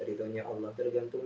ridhonya allah tergantung